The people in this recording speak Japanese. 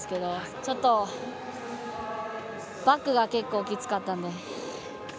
ちょっと、バックが結構きつかったんで。